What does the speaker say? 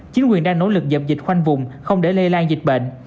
chính quyền đang nỗ lực dập dịch khoanh vùng không để lây lan dịch bệnh